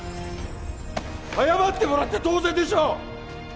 謝ってもらって当然でしょ！